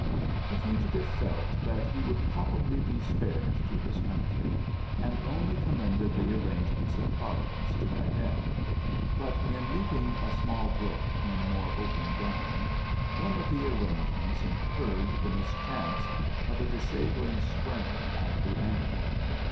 The fugitive felt that he would probably be spared to his country, and only commended the arrangements of Providence to that end, but in leaping a small brook in more open ground one of the arrangements incurred the mischance of a disabling sprain at the ankle.